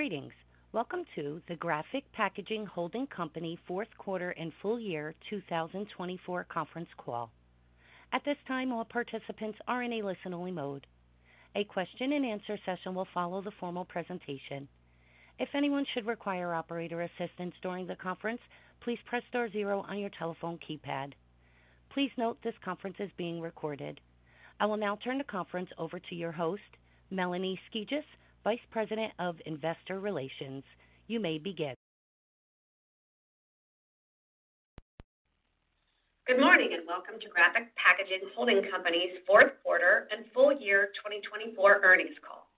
Greetings. Welcome to the Graphic Packaging Company Fourth Quarter and Full Year 2024 Conference Call. At this time, all participants are in a listen-only mode. A question-and-answer session will follow the formal presentation. If anyone should require operator assistance during the conference, please press star zero on your telephone keypad. Please note this conference is being recorded. I will now turn the conference over to your host, Melanie Skijus, Vice President of Investor Relations. You may begin. Good morning and welcome to Graphic Packaging Company's Fourth Quarter and Full Year 2024 Earnings Call.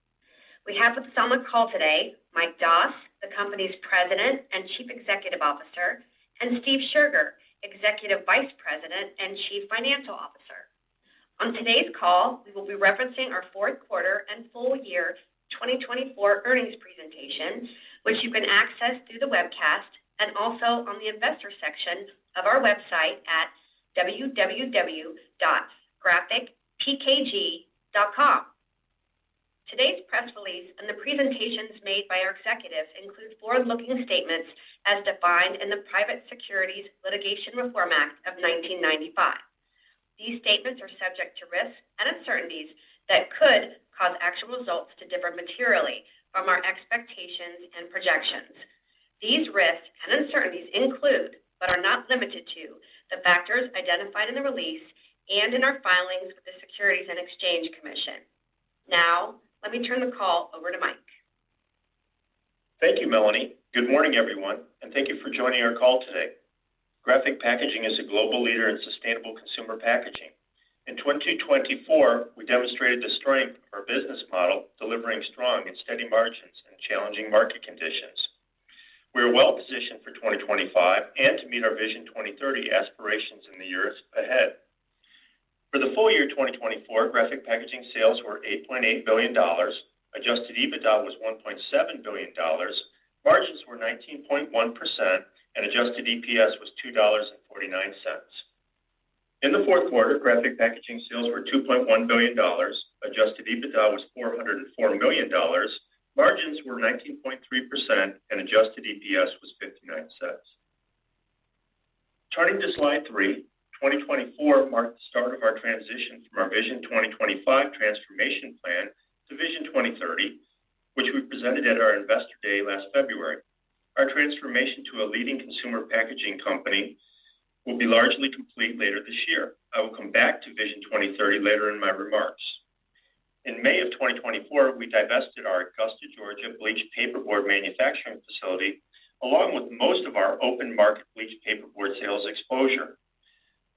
We have with us on the call today, Mike Doss, the company's President and Chief Executive Officer, and Steve Scherger, Executive Vice President and Chief Financial Officer. On today's call, we will be referencing our Fourth Quarter and Full Year 2024 earnings presentation, which you can access through the webcast and also on the investor section of our website at www.graphicpkg.com. Today's press release and the presentations made by our executives include forward-looking statements as defined in the Private Securities Litigation Reform Act of 1995. These statements are subject to risks and uncertainties that could cause actual results to differ materially from our expectations and projections. These risks and uncertainties include, but are not limited to, the factors identified in the release and in our filings with the Securities and Exchange Commission. Now, let me turn the call over to Mike. Thank you, Melanie. Good morning, everyone, and thank you for joining our call today. Graphic Packaging is a global leader in sustainable consumer packaging. In 2024, we demonstrated the strength of our business model, delivering strong and steady margins in challenging market conditions. We are well positioned for 2025 and to meet our Vision 2030 aspirations in the years ahead. For the full year 2024, Graphic Packaging sales were $8.8 billion. Adjusted EBITDA was $1.7 billion. Margins were 19.1%, and adjusted EPS was $2.49. In the fourth quarter, Graphic Packaging sales were $2.1 billion. Adjusted EBITDA was $404 million. Margins were 19.3%, and adjusted EPS was $0.59. Turning to Slide 3 2024 marked the start of our transition from our Vision 2025 transformation plan to Vision 2030, which we presented at our investor day last February. Our transformation to a leading consumer packaging company will be largely complete later this year. I will come back to Vision 2030 later in my remarks. In May of 2024, we divested our Augusta, Georgia, bleached paperboard manufacturing facility, along with most of our open market bleached paperboard sales exposure.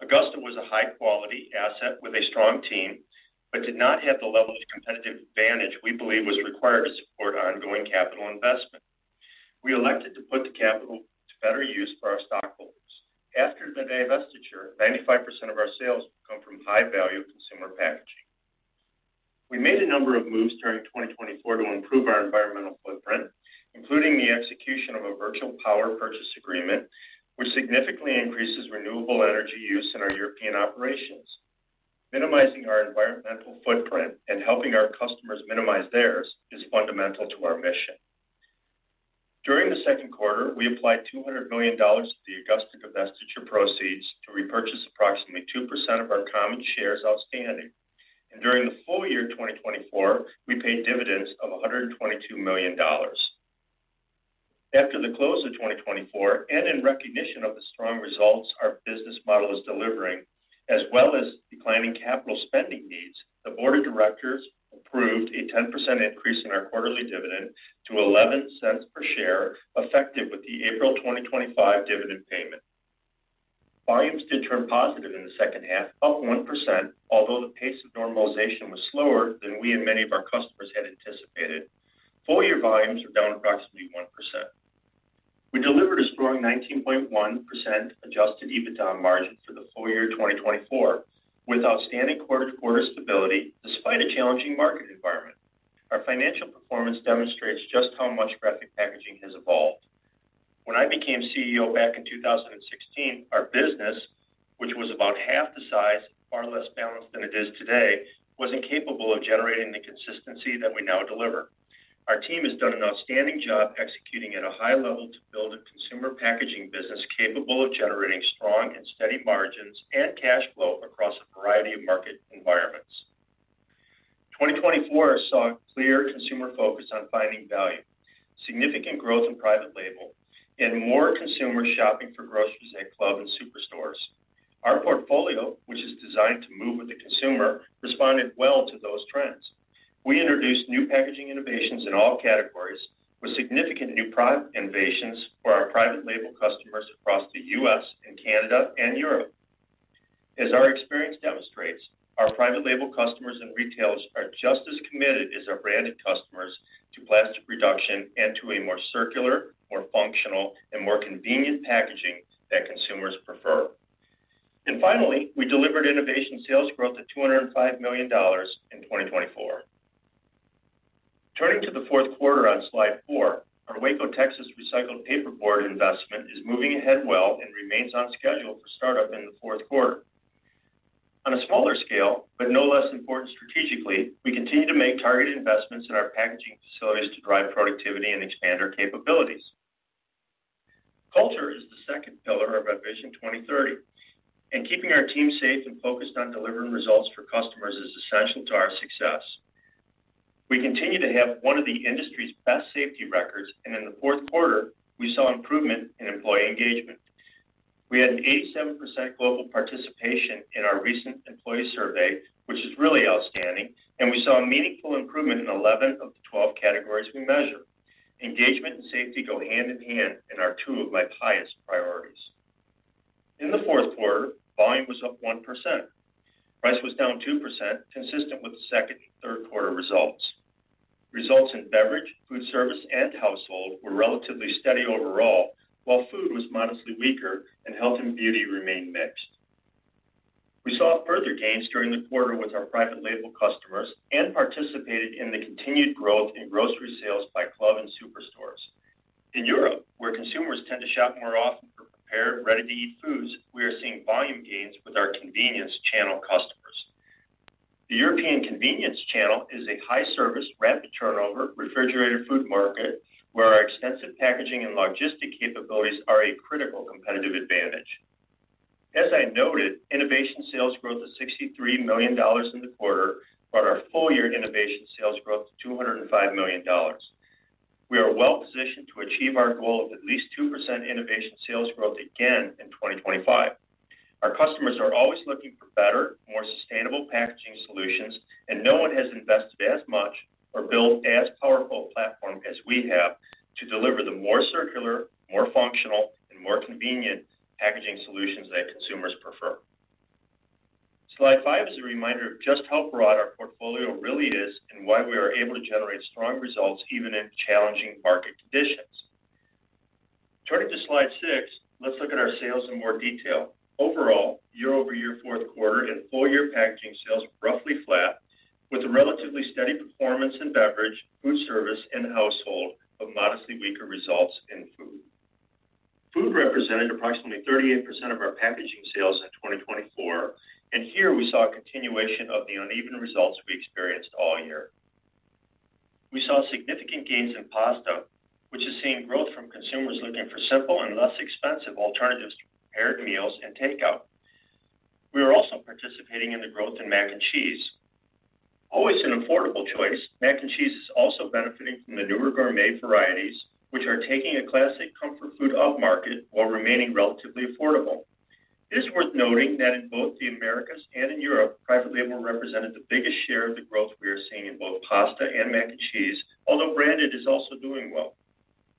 Augusta was a high-quality asset with a strong team, but did not have the level of competitive advantage we believe was required to support ongoing capital investment. We elected to put the capital to better use for our stockholders. After the divestiture, 95% of our sales will come from high-value consumer packaging. We made a number of moves during 2024 to improve our environmental footprint, including the execution of a virtual power purchase agreement, which significantly increases renewable energy use in our European operations. Minimizing our environmental footprint and helping our customers minimize theirs is fundamental to our mission. During the second quarter, we applied $200 million to the Augusta divestiture proceeds to repurchase approximately 2% of our common shares outstanding. During the full year 2024, we paid dividends of $122 million. After the close of 2024, and in recognition of the strong results our business model is delivering, as well as declining capital spending needs, the board of directors approved a 10% increase in our quarterly dividend to $0.11 per share, effective with the April 2025 dividend payment. Volumes did turn positive in the second half, up 1%, although the pace of normalization was slower than we and many of our customers had anticipated. Full year volumes were down approximately 1%. We delivered a strong 19.1% Adjusted EBITDA margin for the full year 2024, with outstanding quarter-to-quarter stability despite a challenging market environment. Our financial performance demonstrates just how much Graphic Packaging has evolved. When I became CEO back in 2016, our business, which was about half the size, far less balanced than it is today, was incapable of generating the consistency that we now deliver. Our team has done an outstanding job executing at a high level to build a consumer packaging business capable of generating strong and steady margins and cash flow across a variety of market environments. 2024 saw clear consumer focus on finding value, significant growth in private label, and more consumers shopping for groceries at clubs and superstores. Our portfolio, which is designed to move with the consumer, responded well to those trends. We introduced new packaging innovations in all categories, with significant new innovations for our private label customers across the U.S., Canada, and Europe. As our experience demonstrates, our private label customers and retailers are just as committed as our branded customers to plastic reduction and to a more circular, more functional, and more convenient packaging that consumers prefer. And finally, we delivered innovation sales growth of $205 million in 2024. Turning to the fourth quarter on Slide 4, our Waco, Texas, recycled paperboard investment is moving ahead well and remains on schedule for startup in the fourth quarter. On a smaller scale, but no less important strategically, we continue to make targeted investments in our packaging facilities to drive productivity and expand our capabilities. Culture is the second pillar of our Vision 2030, and keeping our team safe and focused on delivering results for customers is essential to our success. We continue to have one of the industry's best safety records, and in the fourth quarter, we saw improvement in employee engagement. We had an 87% global participation in our recent employee survey, which is really outstanding, and we saw a meaningful improvement in 11 of the 12 categories we measure. Engagement and safety go hand in hand and are two of my highest priorities. In the fourth quarter, volume was up 1%. Price was down 2%, consistent with the second and third quarter results. Results in beverage, food service, and household were relatively steady overall, while food was modestly weaker and health and beauty remained mixed. We saw further gains during the quarter with our private label customers and participated in the continued growth in grocery sales by clubs and superstores. In Europe, where consumers tend to shop more often for prepared, ready-to-eat foods, we are seeing volume gains with our convenience channel customers. The European convenience channel is a high-service, rapid-turnover, refrigerated food market where our extensive packaging and logistic capabilities are a critical competitive advantage. As I noted, innovation sales growth of $63 million in the quarter brought our full year innovation sales growth to $205 million. We are well positioned to achieve our goal of at least 2% innovation sales growth again in 2025. Our customers are always looking for better, more sustainable packaging solutions, and no one has invested as much or built as powerful a platform as we have to deliver the more circular, more functional, and more convenient packaging solutions that consumers prefer. Slide 5 is a reminder of just how broad our portfolio really is and why we are able to generate strong results even in challenging market conditions. Turning to Slide 6, let's look at our sales in more detail. Overall, year-over-year fourth quarter and full year packaging sales were roughly flat, with a relatively steady performance in beverage, food service, and household offset by modestly weaker results in food. Food represented approximately 38% of our packaging sales in 2024, and here we saw a continuation of the uneven results we experienced all year. We saw significant gains in pasta, which has seen growth from consumers looking for simple and less expensive alternatives to prepared meals and takeout. We are also participating in the growth in mac and cheese. Always an affordable choice, mac and cheese is also benefiting from the newer gourmet varieties, which are taking a classic comfort food upmarket while remaining relatively affordable. It is worth noting that in both the Americas and in Europe, private label represented the biggest share of the growth we are seeing in both pasta and mac and cheese, although branded is also doing well.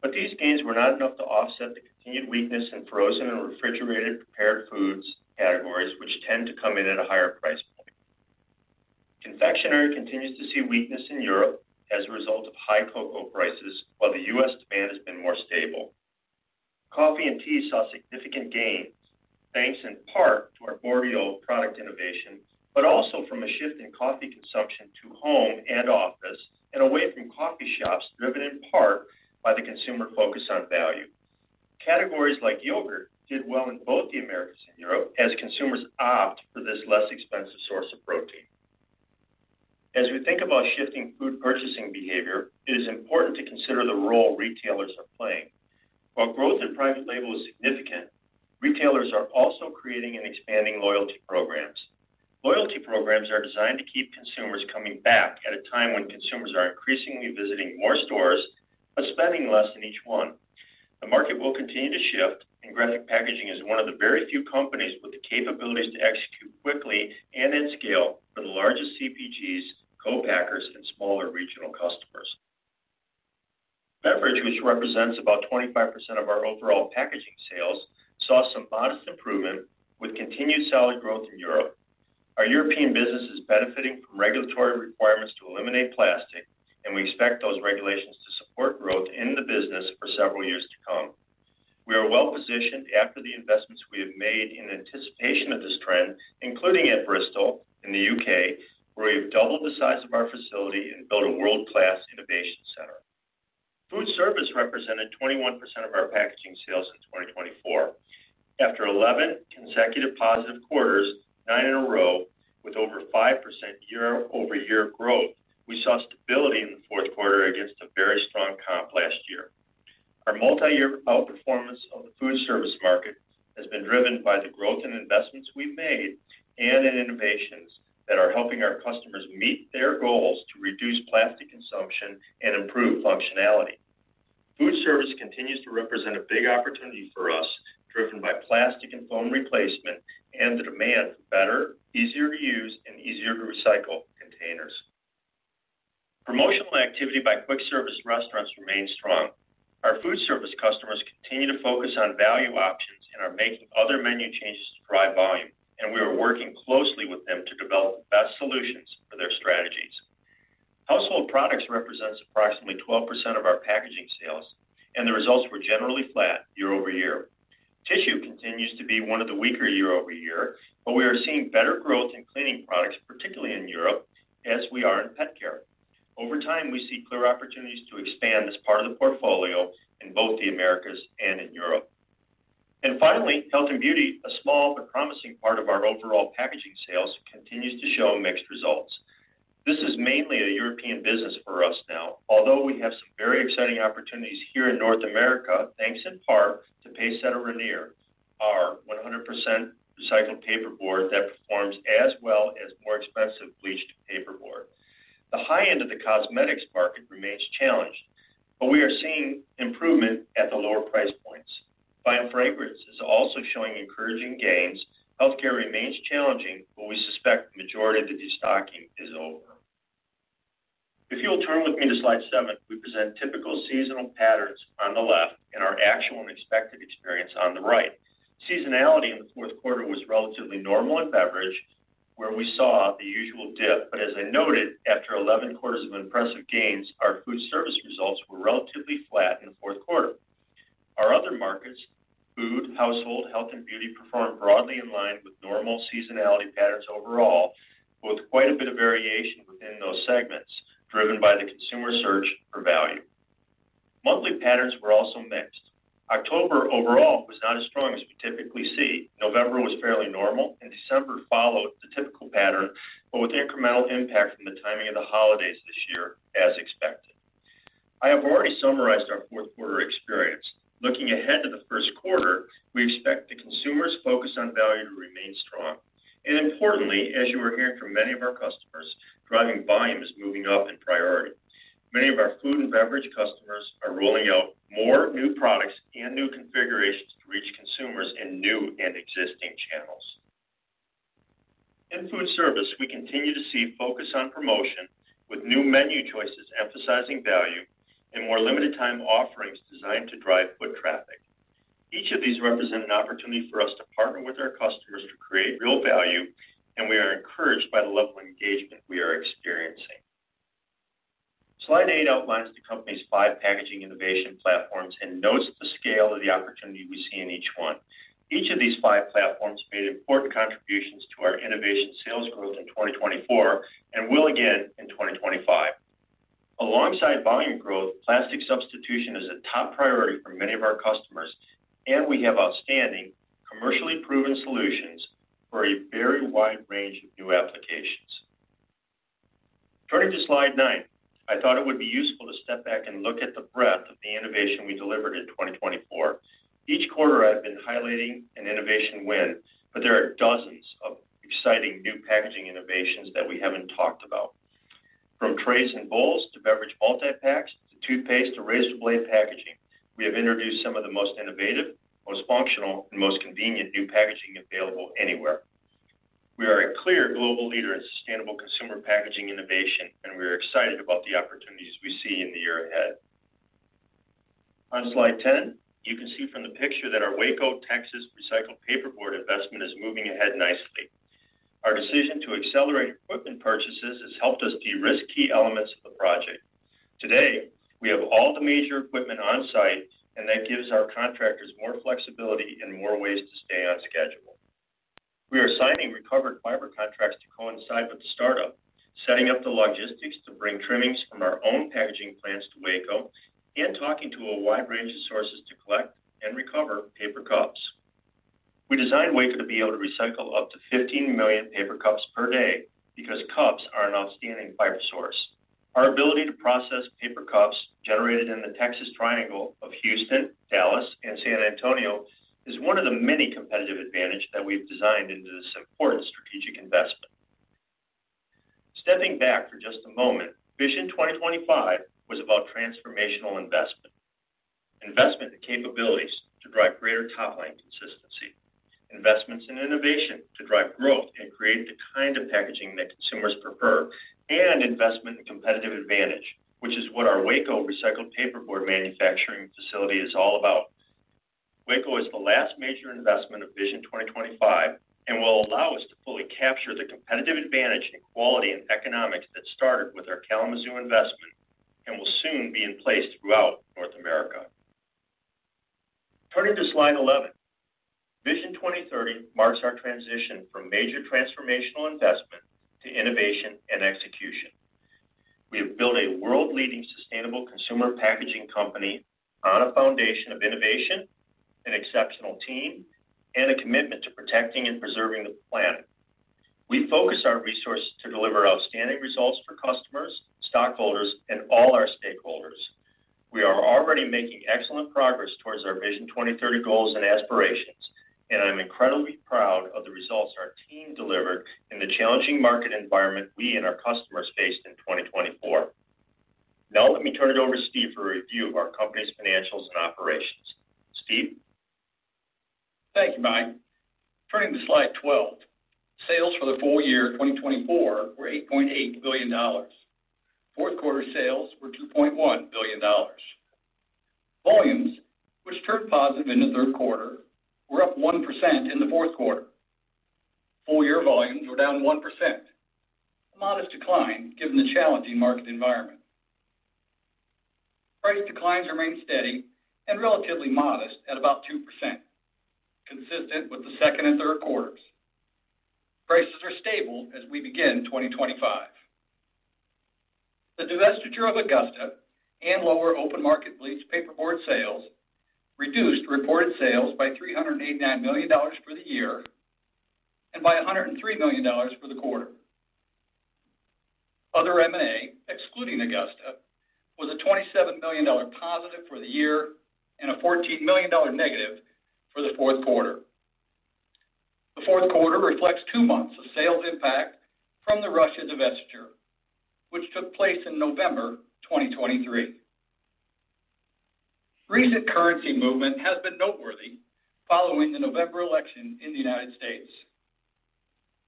But these gains were not enough to offset the continued weakness in frozen and refrigerated prepared foods categories, which tend to come in at a higher price point. Confectionery continues to see weakness in Europe as a result of high cocoa prices, while the U.S. demand has been more stable. Coffee and tea saw significant gains, thanks in part to our broader product innovation, but also from a shift in coffee consumption to home and office and away from coffee shops, driven in part by the consumer focus on value. Categories like yogurt did well in both the Americas and Europe as consumers opt for this less expensive source of protein. As we think about shifting food purchasing behavior, it is important to consider the role retailers are playing. While growth in private label is significant, retailers are also creating and expanding loyalty programs. Loyalty programs are designed to keep consumers coming back at a time when consumers are increasingly visiting more stores but spending less in each one. The market will continue to shift, and Graphic Packaging is one of the very few companies with the capabilities to execute quickly and in scale for the largest CPGs, co-packers, and smaller regional customers. Beverage, which represents about 25% of our overall packaging sales, saw some modest improvement with continued solid growth in Europe. Our European business is benefiting from regulatory requirements to eliminate plastic, and we expect those regulations to support growth in the business for several years to come. We are well positioned after the investments we have made in anticipation of this trend, including at Bristol in the U.K., where we have doubled the size of our facility and built a world-class innovation center. Food service represented 21% of our packaging sales in 2024. After 11 consecutive positive quarters, nine in a row, with over 5% year-over-year growth, we saw stability in the fourth quarter against a very strong comp last year. Our multi-year outperformance of the food service market has been driven by the growth in investments we've made and in innovations that are helping our customers meet their goals to reduce plastic consumption and improve functionality. Food service continues to represent a big opportunity for us, driven by plastic and foam replacement and the demand for better, easier-to-use, and easier-to-recycle containers. Promotional activity by quick service restaurants remains strong. Our food service customers continue to focus on value options and are making other menu changes to drive volume, and we are working closely with them to develop the best solutions for their strategies. Household products represent approximately 12% of our packaging sales, and the results were generally flat year-over-year. Tissue continues to be one of the weaker year-over-year, but we are seeing better growth in cleaning products, particularly in Europe, as well as in pet care. Over time, we see clear opportunities to expand as part of the portfolio in both the Americas and in Europe. And finally, health and beauty, a small but promising part of our overall packaging sales, continues to show mixed results. This is mainly a European business for us now, although we have some very exciting opportunities here in North America, thanks in part to PaceSetter Rainier, our 100% recycled paperboard that performs as well as more expensive bleached paperboard. The high end of the cosmetics market remains challenged, but we are seeing improvement at the lower price points. Fine fragrance is also showing encouraging gains. Healthcare remains challenging, but we suspect the majority of the destocking is over. If you'll turn with me to Slide 7, we present typical seasonal patterns on the left and our actual and expected experience on the right. Seasonality in the fourth quarter was relatively normal in beverage, where we saw the usual dip, but as I noted, after 11 quarters of impressive gains, our food service results were relatively flat in the fourth quarter. Our other markets, food, household, health, and beauty, performed broadly in line with normal seasonality patterns overall, with quite a bit of variation within those segments, driven by the consumer search for value. Monthly patterns were also mixed. October overall was not as strong as we typically see. November was fairly normal, and December followed the typical pattern, but with incremental impact from the timing of the holidays this year, as expected. I have already summarized our fourth quarter experience. Looking ahead to the first quarter, we expect the consumer's focus on value to remain strong. And importantly, as you are hearing from many of our customers, driving volume is moving up in priority. Many of our food and beverage customers are rolling out more new products and new configurations to reach consumers in new and existing channels. In food service, we continue to see focus on promotion, with new menu choices emphasizing value and more limited-time offerings designed to drive foot traffic. Each of these represents an opportunity for us to partner with our customers to create real value, and we are encouraged by the level of engagement we are experiencing. Slide 8 outlines the company's five packaging innovation platforms and notes the scale of the opportunity we see in each one. Each of these five platforms made important contributions to our innovation sales growth in 2024 and will again in 2025. Alongside volume growth, plastic substitution is a top priority for many of our customers, and we have outstanding, commercially proven solutions for a very wide range of new applications. Turning to Slide 9, I thought it would be useful to step back and look at the breadth of the innovation we delivered in 2024. Each quarter, I've been highlighting an innovation win, but there are dozens of exciting new packaging innovations that we haven't talked about. From trays and bowls to beverage multi-packs to toothpaste to razor blade packaging, we have introduced some of the most innovative, most functional, and most convenient new packaging available anywhere. We are a clear global leader in sustainable consumer packaging innovation, and we are excited about the opportunities we see in the year ahead. On Slide 10, you can see from the picture that our Waco, Texas, recycled paperboard investment is moving ahead nicely. Our decision to accelerate equipment purchases has helped us de-risk key elements of the project. Today, we have all the major equipment on site, and that gives our contractors more flexibility and more ways to stay on schedule. We are signing recovered fiber contracts to coincide with the startup, setting up the logistics to bring trimmings from our own packaging plants to Waco, and talking to a wide range of sources to collect and recover paper cups. We designed Waco to be able to recycle up to 15 million paper cups per day because cups are an outstanding fiber source. Our ability to process paper cups generated in the Texas Triangle of Houston, Dallas, and San Antonio is one of the many competitive advantages that we've designed into this important strategic investment. Stepping back for just a moment, Vision 2025 was about transformational investment. Investment in capabilities to drive greater top-line consistency, investments in innovation to drive growth and create the kind of packaging that consumers prefer, and investment in competitive advantage, which is what our Waco recycled paperboard manufacturing facility is all about. Waco is the last major investment of Vision 2025 and will allow us to fully capture the competitive advantage in quality and economics that started with our Kalamazoo investment and will soon be in place throughout North America. Turning to Slide 11, Vision 2030 marks our transition from major transformational investment to innovation and execution. We have built a world-leading sustainable consumer packaging company on a foundation of innovation, an exceptional team, and a commitment to protecting and preserving the planet. We focus our resources to deliver outstanding results for customers, stockholders, and all our stakeholders. We are already making excellent progress towards our Vision 2030 goals and aspirations, and I'm incredibly proud of the results our team delivered in the challenging market environment we and our customers faced in 2024. Now let me turn it over to Steve for a review of our company's financials and operations. Steve. Thank you, Mike. Turning to Slide 12, sales for the full year 2024 were $8.8 billion. Fourth quarter sales were $2.1 billion. Volumes, which turned positive in the third quarter, were up 1% in the fourth quarter. Full year volumes were down 1%, a modest decline given the challenging market environment. Price declines remained steady and relatively modest at about 2%, consistent with the second and third quarters. Prices are stable as we begin 2025. The divestiture of Augusta and lower open market bleached paperboard sales reduced reported sales by $389 million for the year and by $103 million for the quarter. Other M&A, excluding Augusta, was a $27 million positive for the year and a $14 million negative for the fourth quarter. The fourth quarter reflects two months of sales impact from the Russia divestiture, which took place in November 2023. Recent currency movement has been noteworthy following the November election in the United States.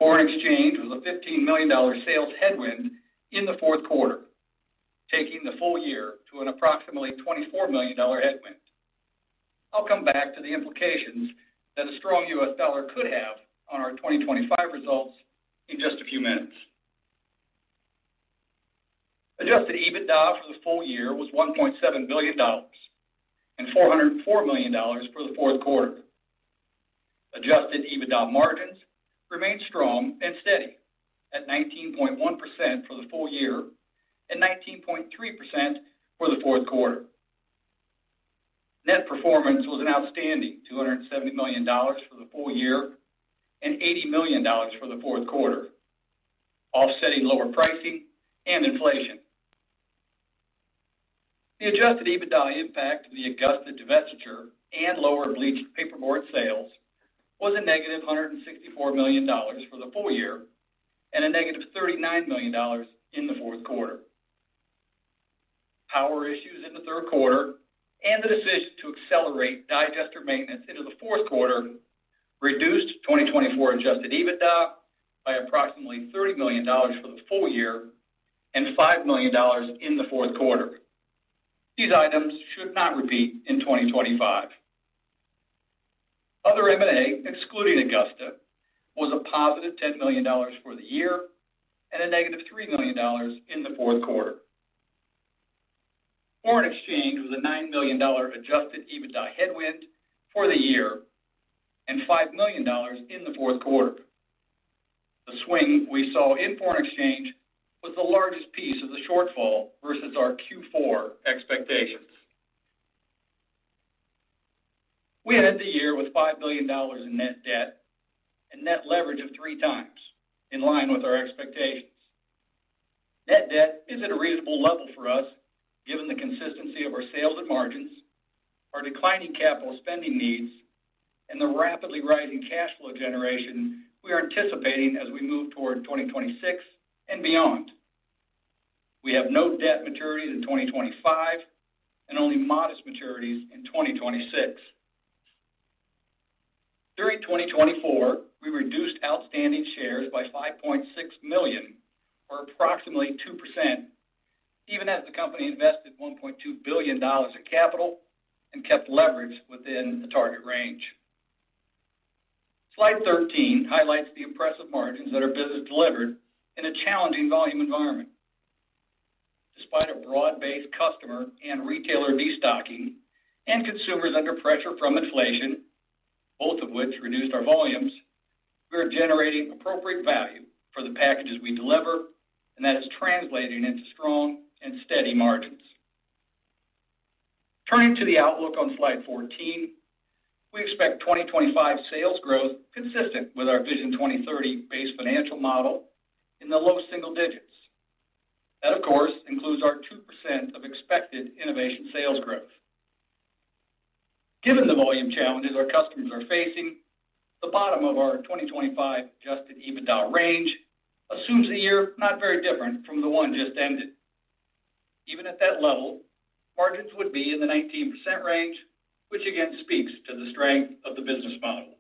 Foreign exchange was a $15 million sales headwind in the fourth quarter, taking the full year to an approximately $24 million headwind. I'll come back to the implications that a strong U.S. dollar could have on our 2025 results in just a few minutes. Adjusted EBITDA for the full year was $1.7 billion and $404 million for the fourth quarter. Adjusted EBITDA margins remained strong and steady at 19.1% for the full year and 19.3% for the fourth quarter. Net performance was an outstanding $270 million for the full year and $80 million for the fourth quarter, offsetting lower pricing and inflation. The Adjusted EBITDA impact of the Augusta divestiture and lower bleached paperboard sales was a negative $164 million for the full year and a negative $39 million in the fourth quarter. Power issues in the third quarter and the decision to accelerate digester maintenance into the fourth quarter reduced 2024 Adjusted EBITDA by approximately $30 million for the full year and $5 million in the fourth quarter. These items should not repeat in 2025. Other M&A, excluding Augusta, was a positive $10 million for the year and a negative $3 million in the fourth quarter. Foreign exchange was a $9 million Adjusted EBITDA headwind for the year and $5 million in the fourth quarter. The swing we saw in foreign exchange was the largest piece of the shortfall versus our Q4 expectations. We ended the year with $5 billion in net debt and net leverage of three times, in line with our expectations. Net debt is at a reasonable level for us, given the consistency of our sales and margins, our declining capital spending needs, and the rapidly rising cash flow generation we are anticipating as we move toward 2026 and beyond. We have no debt maturities in 2025 and only modest maturities in 2026. During 2024, we reduced outstanding shares by 5.6 million or approximately 2%, even as the company invested $1.2 billion in capital and kept leverage within the target range. Slide 13 highlights the impressive margins that our business delivered in a challenging volume environment. Despite a broad-based customer and retailer destocking and consumers under pressure from inflation, both of which reduced our volumes, we are generating appropriate value for the packages we deliver, and that is translating into strong and steady margins. Turning to the outlook on Slide 14, we expect 2025 sales growth consistent with our Vision 2030-based financial model in the low single digits. That, of course, includes our 2% of expected innovation sales growth. Given the volume challenges our customers are facing, the bottom of our 2025 Adjusted EBITDA range assumes a year not very different from the one just ended. Even at that level, margins would be in the 19% range, which again speaks to the strength of the business model.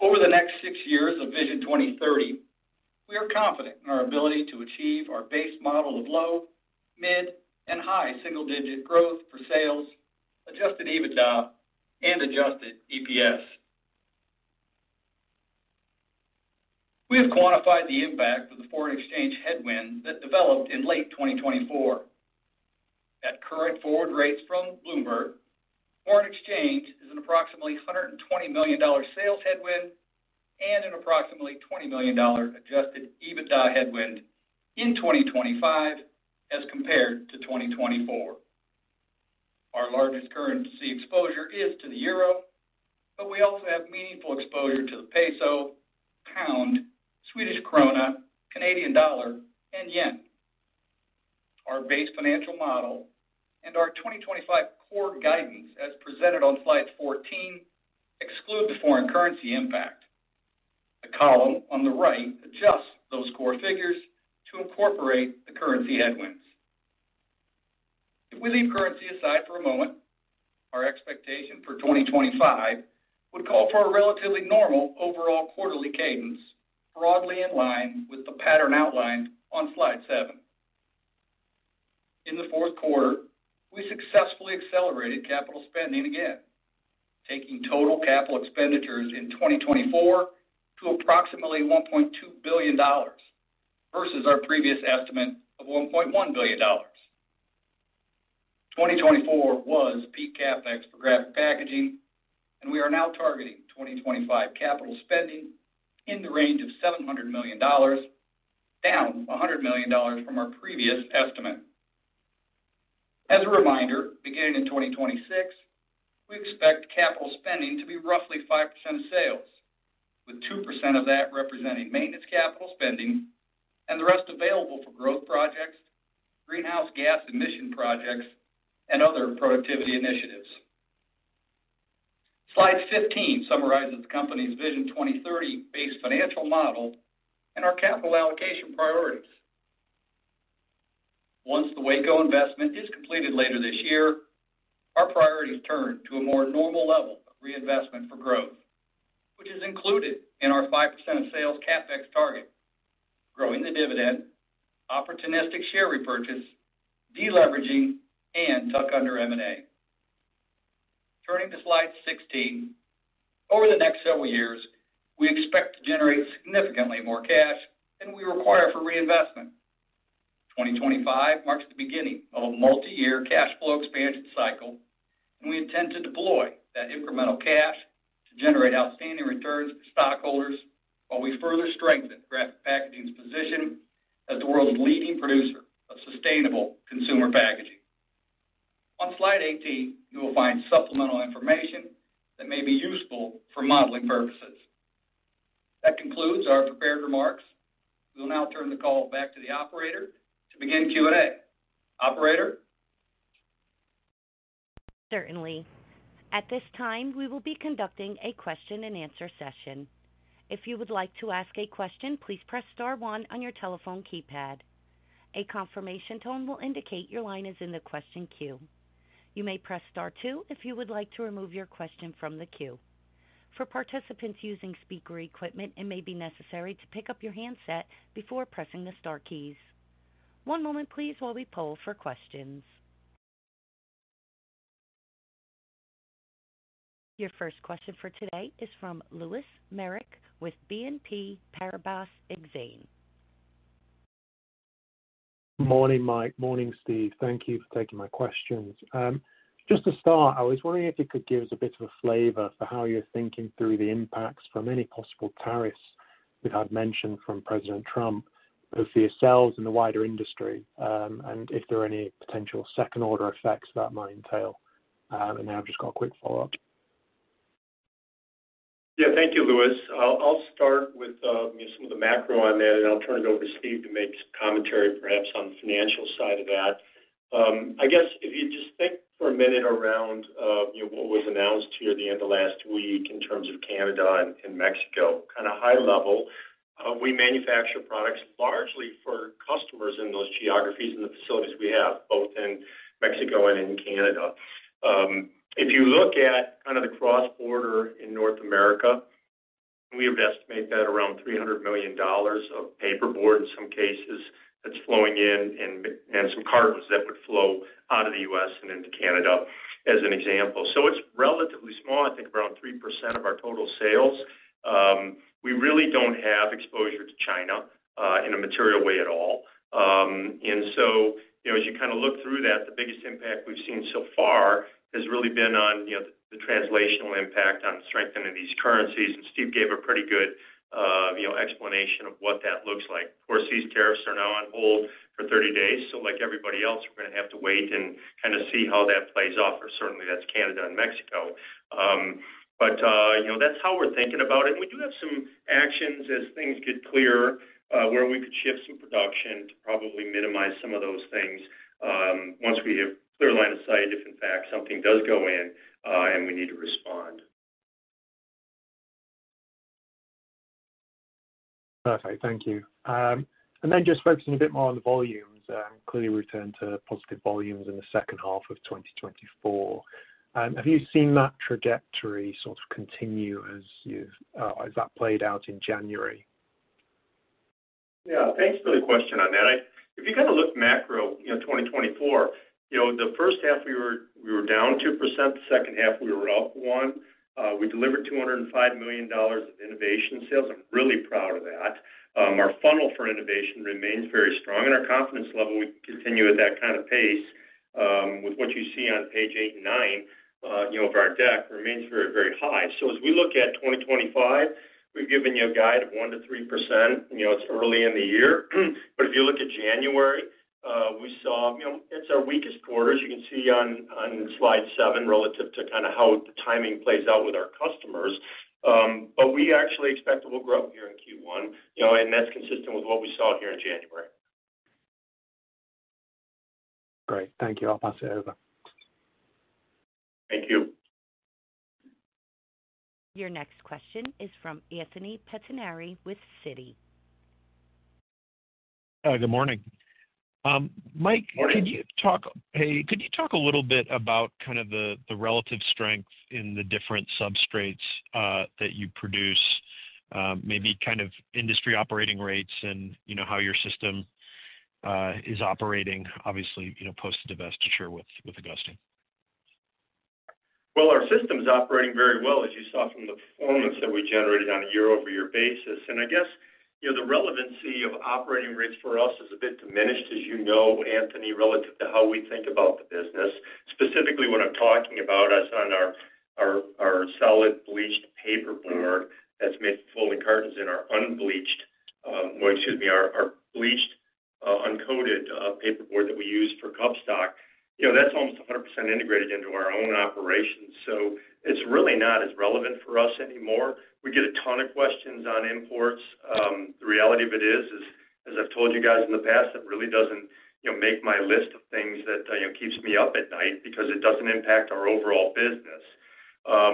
Over the next six years of Vision 2030, we are confident in our ability to achieve our base model of low, mid, and high single-digit growth for sales, Adjusted EBITDA, and Adjusted EPS. We have quantified the impact of the foreign exchange headwind that developed in late 2024. At current forward rates from Bloomberg, foreign exchange is an approximately $120 million sales headwind and an approximately $20 million Adjusted EBITDA headwind in 2025 as compared to 2024. Our largest currency exposure is to the euro, but we also have meaningful exposure to the peso, pound, Swedish krona, Canadian dollar, and yen. Our base financial model and our 2025 core guidance, as presented on Slide 14, exclude the foreign currency impact. The column on the right adjusts those core figures to incorporate the currency headwinds. If we leave currency aside for a moment, our expectation for 2025 would call for a relatively normal overall quarterly cadence, broadly in line with the pattern outlined on Slide 7. In the fourth quarter, we successfully accelerated capital spending again, taking total capital expenditures in 2024 to approximately $1.2 billion versus our previous estimate of $1.1 billion. 2024 was peak CapEx for Graphic Packaging, and we are now targeting 2025 capital spending in the range of $700 million, down $100 million from our previous estimate. As a reminder, beginning in 2026, we expect capital spending to be roughly 5% of sales, with 2% of that representing maintenance capital spending and the rest available for growth projects, greenhouse gas emission projects, and other productivity initiatives. Slide 15 summarizes the company's Vision 2030-based financial model and our capital allocation priorities. Once the Waco investment is completed later this year, our priorities turn to a more normal level of reinvestment for growth, which is included in our 5% of sales CapEx target, growing the dividend, opportunistic share repurchase, deleveraging, and tuck under M&A. Turning to Slide 16, over the next several years, we expect to generate significantly more cash than we require for reinvestment. 2025 marks the beginning of a multi-year cash flow expansion cycle, and we intend to deploy that incremental cash to generate outstanding returns for stockholders while we further strengthen Graphic Packaging's position as the world's leading producer of sustainable consumer packaging. On Slide 18, you will find supplemental information that may be useful for modeling purposes. That concludes our prepared remarks. We'll now turn the call back to the operator to begin Q&A. Operator. Certainly. At this time, we will be conducting a question-and-answer session. If you would like to ask a question, please press Star one on your telephone keypad. A confirmation tone will indicate your line is in the question queue. You may press Star two if you would like to remove your question from the queue. For participants using speaker equipment, it may be necessary to pick up your handset before pressing the Star keys. One moment, please, while we poll for questions. Your first question for today is from Lewis Merrick with BNP Paribas Exane. Morning, Mike. Morning, Steve. Thank you for taking my questions. Just to start, I was wondering if you could give us a bit of a flavor for how you're thinking through the impacts from any possible tariffs we've had mentioned from President Trump, both for yourselves and the wider industry, and if there are any potential second-order effects that that might entail? And now I've just got a quick follow-up. Yeah, thank you, Lewis. I'll start with some of the macro on that, and I'll turn it over to Steve to make some commentary, perhaps, on the financial side of that. I guess if you just think for a minute around what was announced here at the end of last week in terms of Canada and Mexico, kind of high level, we manufacture products largely for customers in those geographies and the facilities we have, both in Mexico and in Canada. If you look at kind of the cross-border in North America, we would estimate that around $300 million of paperboard in some cases that's flowing in and some cartons that would flow out of the U.S. and into Canada as an example. So it's relatively small, I think around 3% of our total sales. We really don't have exposure to China in a material way at all. And so as you kind of look through that, the biggest impact we've seen so far has really been on the translational impact on strengthening these currencies. Steve gave a pretty good explanation of what that looks like. Of course, these tariffs are now on hold for 30 days. So, like everybody else, we're going to have to wait and kind of see how that plays out, or certainly that's Canada and Mexico. But that's how we're thinking about it. And we do have some actions as things get clearer where we could shift some production to probably minimize some of those things once we have a clear line of sight if, in fact, something does go in and we need to respond. Perfect. Thank you. And then just focusing a bit more on the volumes, clearly we've turned to positive volumes in the second half of 2024. Have you seen that trajectory sort of continue as that played out in January? Yeah. Thanks for the question on that. If you kind of look macro 2024, the first half we were down 2%, the second half we were up 1%. We delivered $205 million of innovation sales. I'm really proud of that. Our funnel for innovation remains very strong, and our confidence level, we can continue at that kind of pace with what you see on page eight and nine of our deck, remains very, very high. So as we look at 2025, we've given you a guide of 1%-3%. It's early in the year. But if you look at January, we saw it's our weakest quarter, as you can see on Slide 7 relative to kind of how the timing plays out with our customers. But we actually expect to look up here in Q1, and that's consistent with what we saw here in January. Great. Thank you. I'll pass it over. Thank you. Your next question is from Anthony Pettinari with Citi. Good morning. Mike, could you talk a little bit about kind of the relative strength in the different substrates that you produce, maybe kind of industry operating rates and how your system is operating, obviously, post-divestiture with Augusta? Our system is operating very well, as you saw from the performance that we generated on a year-over-year basis. I guess the relevancy of operating rates for us is a bit diminished, as you know, Anthony, relative to how we think about the business. Specifically, what I'm talking about is on our solid bleached paperboard that's made from folding cartons and our unbleached, well, excuse me, our bleached uncoated paperboard that we use for cup stock. That's almost 100% integrated into our own operations. So it's really not as relevant for us anymore. We get a ton of questions on imports. The reality of it is, as I've told you guys in the past, it really doesn't make my list of things that keeps me up at night because it doesn't impact our overall business.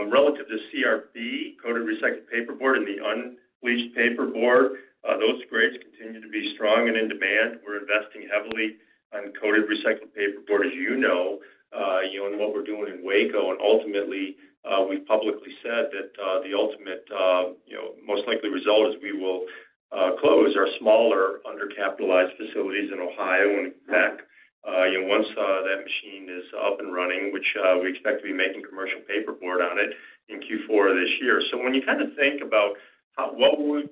Relative to CRB, coated recycled paperboard, and the unbleached paperboard, those grades continue to be strong and in demand. We're investing heavily on coated recycled paperboard, as you know, in what we're doing in Waco, and ultimately, we've publicly said that the ultimate, most likely result is we will close our smaller undercapitalized facilities in Ohio, and in fact, once that machine is up and running, which we expect to be making commercial paperboard on it in Q4 of this year. So when you kind of think about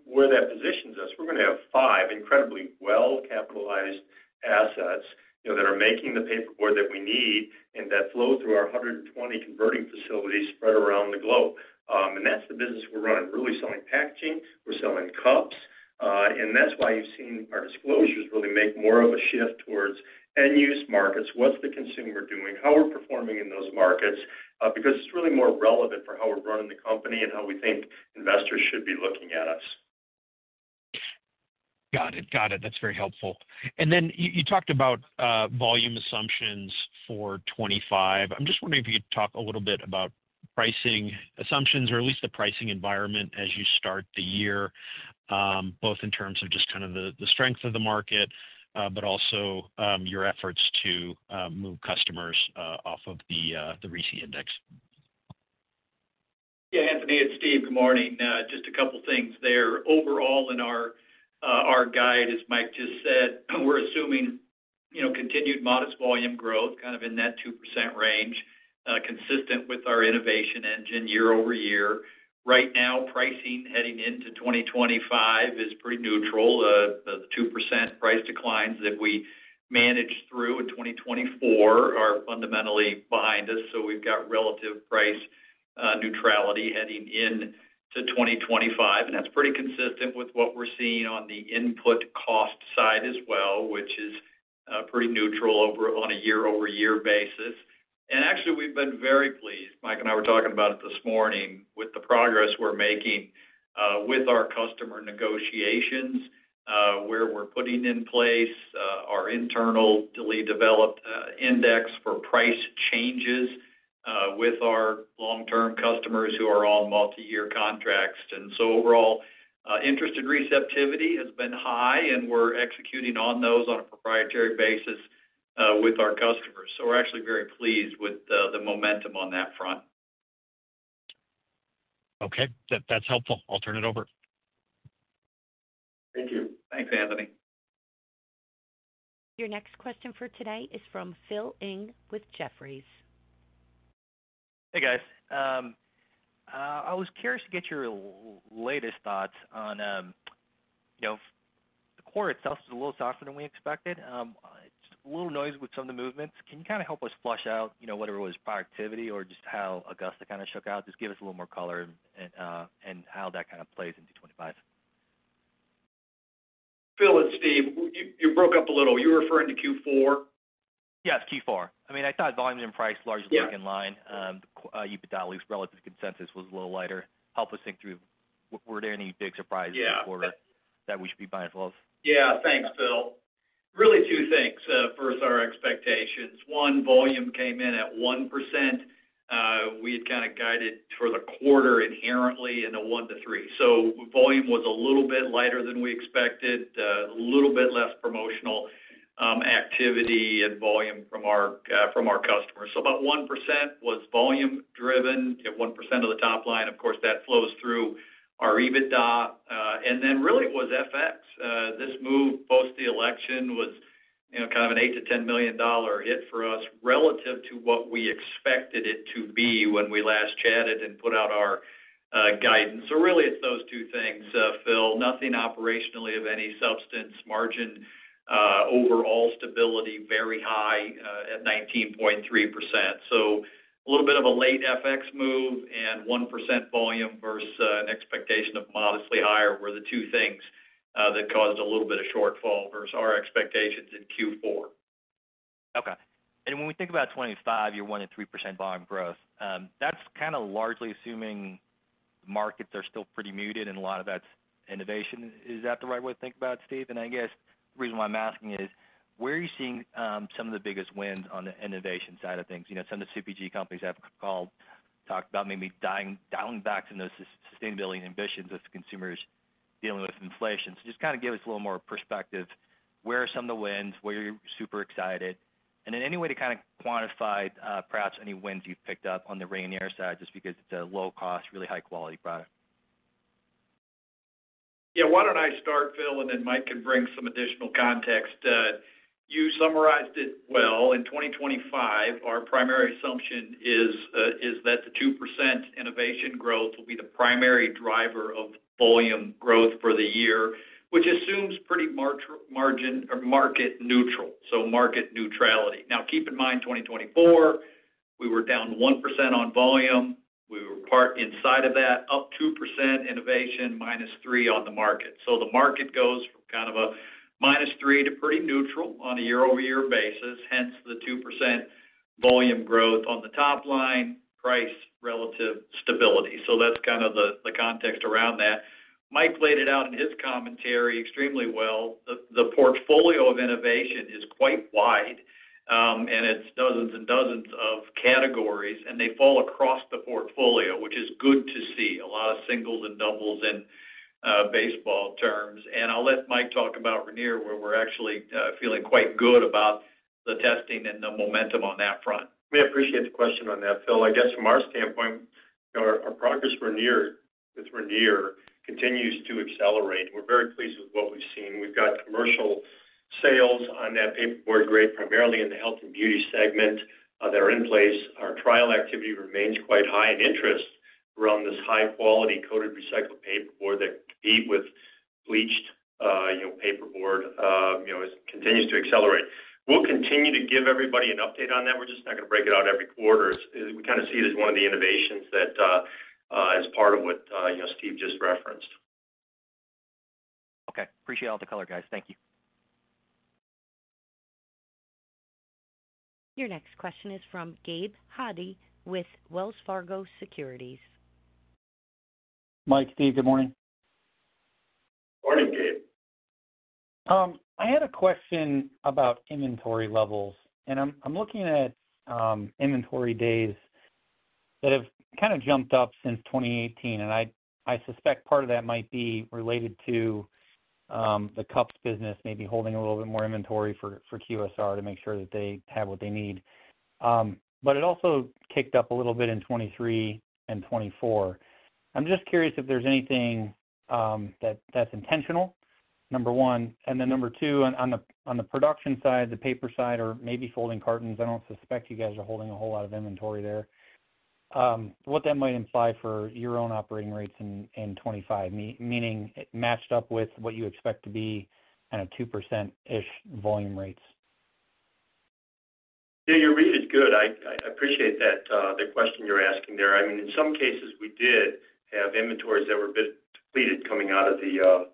where that positions us, we're going to have five incredibly well-capitalized assets that are making the paperboard that we need and that flow through our 120 converting facilities spread around the globe. And that's the business we're running, really selling packaging. We're selling cups. And that's why you've seen our disclosures really make more of a shift towards end-use markets. What's the consumer doing? How are we performing in those markets? Because it's really more relevant for how we're running the company and how we think investors should be looking at us. Got it. Got it. That's very helpful. And then you talked about volume assumptions for 2025. I'm just wondering if you could talk a little bit about pricing assumptions or at least the pricing environment as you start the year, both in terms of just kind of the strength of the market, but also your efforts to move customers off of the RISI index. Yeah, Anthony and Steve, good morning. Just a couple of things there. Overall, in our guide, as Mike just said, we're assuming continued modest volume growth, kind of in that 2% range, consistent with our innovation engine year over year. Right now, pricing heading into 2025 is pretty neutral. The 2% price declines that we managed through in 2024 are fundamentally behind us, so we've got relative price neutrality heading into 2025, and that's pretty consistent with what we're seeing on the input cost side as well, which is pretty neutral on a year-over-year basis, and actually, we've been very pleased. Mike and I were talking about it this morning with the progress we're making with our customer negotiations, where we're putting in place our internal delay-developed index for price changes with our long-term customers who are on multi-year contracts, and so overall, interested receptivity has been high, and we're executing on those on a proprietary basis with our customers, so we're actually very pleased with the momentum on that front. Okay. That's helpful. I'll turn it over. Thank you. Thanks, Anthony. Your next question for today is from Phil Ng with Jefferies. Hey, guys. I was curious to get your latest thoughts on the quarter itself was a little softer than we expected. It's a little noisy with some of the movements. Can you kind of help us flesh out whether it was productivity or just how Augusta kind of shook out? Just give us a little more color and how that kind of plays into 2025. Phil and Steve, you broke up a little. You were referring to Q4? Yes, Q4. I mean, I thought volumes and price largely were in line. You could tell at least relative consensus was a little lighter. Help us think through, were there any big surprises in the quarter that we should be mindful of? Yeah. Thanks, Phil. Really two things. First, our expectations. One, volume came in at 1%. We had kind of guided for the quarter inherently in a 1%-3%. So volume was a little bit lighter than we expected, a little bit less promotional activity and volume from our customers. So about 1% was volume-driven, 1% of the top line. Of course, that flows through our EBITDA. And then really it was FX. This move, post the election, was kind of a $8 million-$10 million hit for us relative to what we expected it to be when we last chatted and put out our guidance. So really it's those two things, Phil. Nothing operationally of any substance. Margin overall stability, very high at 19.3%. So a little bit of a late FX move and 1% volume versus an expectation of modestly higher were the two things that caused a little bit of shortfall versus our expectations in Q4. Okay. And when we think about 2025, your 1%-3% volume growth, that's kind of largely assuming the markets are still pretty muted and a lot of that's innovation. Is that the right way to think about it, Steve? I guess the reason why I'm asking is, where are you seeing some of the biggest wins on the innovation side of things? Some of the CPG companies have talked about maybe dialing back some of those sustainability ambitions as consumers dealing with inflation. So just kind of give us a little more perspective. Where are some of the wins? Where are you super excited? And then any way to kind of quantify perhaps any wins you've picked up on the Rainier side just because it's a low-cost, really high-quality product? Yeah. Why don't I start, Phil, and then Mike can bring some additional context. You summarized it well. In 2025, our primary assumption is that the 2% innovation growth will be the primary driver of volume growth for the year, which assumes pretty market neutral, so market neutrality. Now, keep in mind, 2024, we were down 1% on volume. We were part inside of that, up 2% innovation, minus 3% on the market. So the market goes from kind of a minus 3% to pretty neutral on a year-over-year basis, hence the 2% volume growth on the top line, price relative stability. So that's kind of the context around that. Mike laid it out in his commentary extremely well. The portfolio of innovation is quite wide, and it's dozens and dozens of categories, and they fall across the portfolio, which is good to see, a lot of singles and doubles in baseball terms, and I'll let Mike talk about Rainier, where we're actually feeling quite good about the testing and the momentum on that front. We appreciate the question on that, Phil. I guess from our standpoint, our progress with Rainier continues to accelerate. We're very pleased with what we've seen. We've got commercial sales on that paperboard grade, primarily in the health and beauty segment that are in place. Our trial activity remains quite high in interest around this high-quality coated recycled paperboard that could compete with bleached paperboard. It continues to accelerate. We'll continue to give everybody an update on that. We're just not going to break it out every quarter. We kind of see it as one of the innovations that is part of what Steve just referenced. Okay. Appreciate all the color, guys. Thank you. Your next question is from Gabe Hajde with Wells Fargo Securities. Mike, Steve, good morning. I had a question about inventory levels, and I'm looking at inventory days that have kind of jumped up since 2018. And I suspect part of that might be related to the cups business, maybe holding a little bit more inventory for QSR to make sure that they have what they need. But it also kicked up a little bit in 2023 and 2024. I'm just curious if there's anything that's intentional, number one. And then number two, on the production side, the paper side, or maybe folding cartons, I don't suspect you guys are holding a whole lot of inventory there. What that might imply for your own operating rates in 2025, meaning it matched up with what you expect to be kind of 2%-ish volume rates? Yeah, your read is good. I appreciate the question you're asking there. I mean, in some cases, we did have inventories that were a bit depleted coming out of the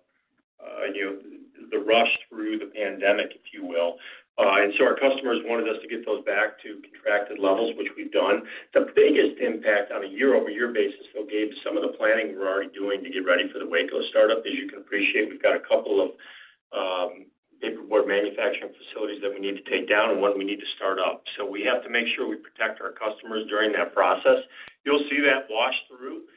rush through the pandemic, if you will. And so our customers wanted us to get those back to contracted levels, which we've done. The biggest impact on a year-over-year basis, Gabe, some of the planning we're already doing to get ready for the Waco startup, as you can appreciate, we've got a couple of paperboard manufacturing facilities that we need to take down and one we need to start up. So we have to make sure we protect our customers during that process. You'll see that washed through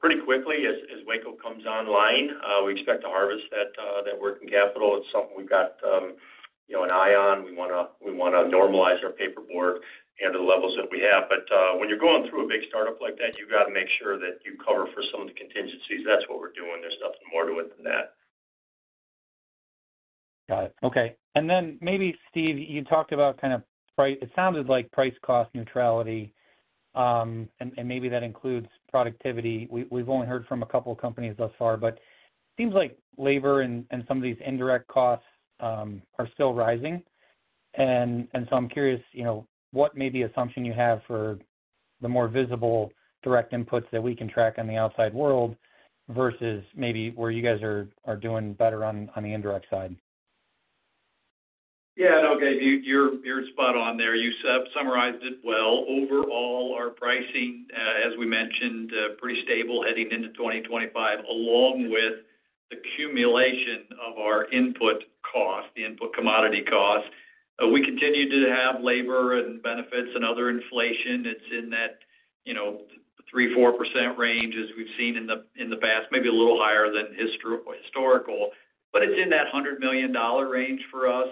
pretty quickly as Waco comes online. We expect to harvest that working capital. It's something we've got an eye on. We want to normalize our paperboard into the levels that we have. But when you're going through a big startup like that, you've got to make sure that you cover for some of the contingencies. That's what we're doing. There's nothing more to it than that. Got it. Okay. And then maybe, Steve, you talked about kind of it sounded like price-cost neutrality, and maybe that includes productivity. We've only heard from a couple of companies thus far, but it seems like labor and some of these indirect costs are still rising. And so I'm curious what maybe assumption you have for the more visible direct inputs that we can track on the outside world versus maybe where you guys are doing better on the indirect side. Yeah. No, Gabe, you're spot on there. You summarized it well. Overall, our pricing, as we mentioned, pretty stable heading into 2025, along with the accumulation of our input cost, the input commodity cost. We continue to have labor and benefits and other inflation. It's in that 3%-4% range as we've seen in the past, maybe a little higher than historical. But it's in that $100 million range for us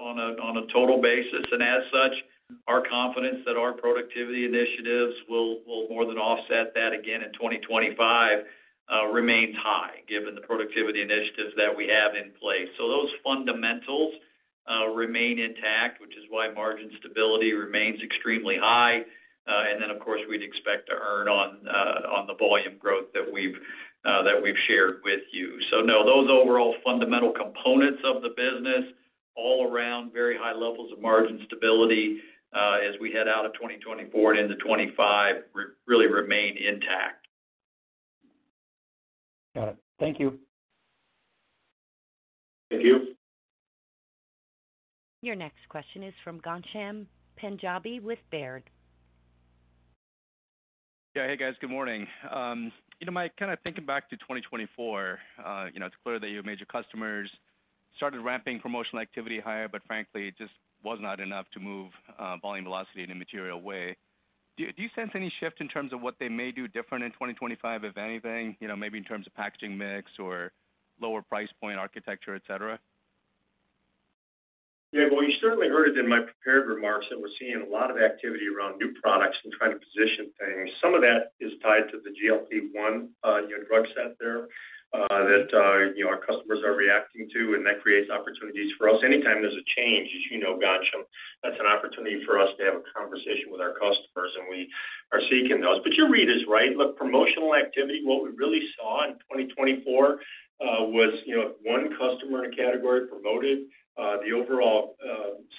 on a total basis. And as such, our confidence that our productivity initiatives will more than offset that again in 2025 remains high, given the productivity initiatives that we have in place. So those fundamentals remain intact, which is why margin stability remains extremely high. And then, of course, we'd expect to earn on the volume growth that we've shared with you. So no, those overall fundamental components of the business, all around very high levels of margin stability as we head out of 2024 and into 2025, really remain intact. Got it. Thank you. Thank you. Your next question is from Ghansham Panjabi with Baird. Yeah. Hey, guys. Good morning. Mike, kind of thinking back to 2024, it's clear that your major customers started ramping promotional activity higher, but frankly, it just was not enough to move volume, velocity, in a material way. Do you sense any shift in terms of what they may do different in 2025, if anything, maybe in terms of packaging mix or lower price point architecture, etc.? Yeah, well, you certainly heard it in my prepared remarks that we're seeing a lot of activity around new products and trying to position things. Some of that is tied to the GLP-1 drug set there that our customers are reacting to, and that creates opportunities for us. Anytime there's a change, as you know, Ghansham, that's an opportunity for us to have a conversation with our customers, and we are seeking those. But your read is right. Look, promotional activity. What we really saw in 2024 was one customer in a category promoted. The overall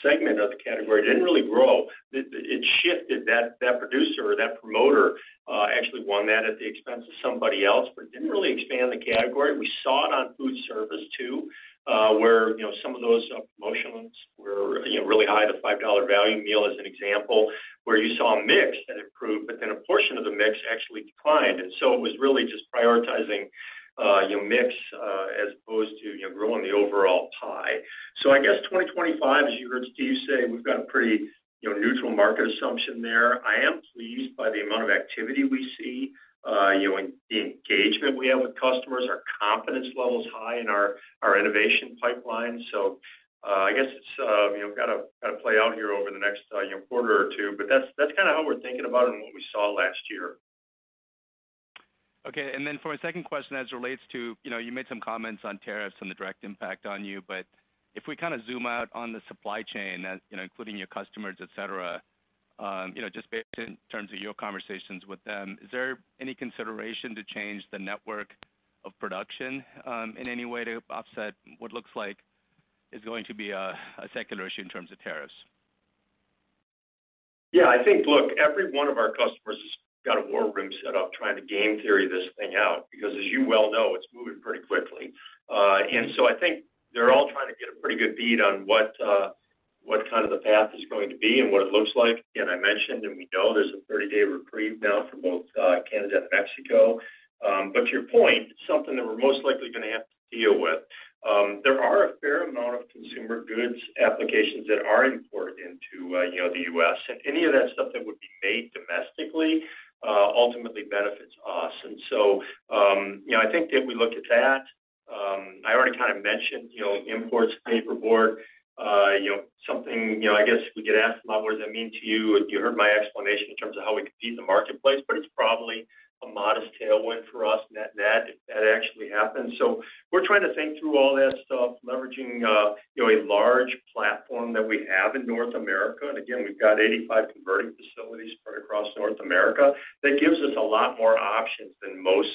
segment of the category didn't really grow. It shifted that producer or that promoter actually won that at the expense of somebody else, but it didn't really expand the category. We saw it on food service too, where some of those promotionals were really high, the $5 value meal as an example, where you saw a mix that improved, but then a portion of the mix actually declined. And so it was really just prioritizing mix as opposed to growing the overall pie. So I guess 2025, as you heard Steve say, we've got a pretty neutral market assumption there. I am pleased by the amount of activity we see, the engagement we have with customers, our confidence level's high in our innovation pipeline. So I guess it's got to play out here over the next quarter or two. But that's kind of how we're thinking about it and what we saw last year. Okay. And then for my second question as it relates to you made some comments on tariffs and the direct impact on you, but if we kind of zoom out on the supply chain, including your customers, etc., just based in terms of your conversations with them, is there any consideration to change the network of production in any way to offset what looks like is going to be a secular issue in terms of tariffs? Yeah. I think, look, every one of our customers has got a war room set up trying to game theory this thing out because, as you well know, it's moving pretty quickly. And so I think they're all trying to get a pretty good bead on what kind of the path is going to be and what it looks like. And I mentioned, and we know there's a 30-day reprieve now for both Canada and Mexico. But to your point, it's something that we're most likely going to have to deal with. There are a fair amount of consumer goods applications that are imported into the U.S. And any of that stuff that would be made domestically ultimately benefits us. And so I think that we look at that. I already kind of mentioned imports of paperboard, something I guess we get asked about, what does that mean to you? You heard my explanation in terms of how we compete in the marketplace, but it's probably a modest tailwind for us in that net if that actually happens. So we're trying to think through all that stuff, leveraging a large platform that we have in North America. And again, we've got 85 converting facilities spread across North America. That gives us a lot more options than most